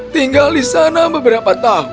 tinggal di sana beberapa tahun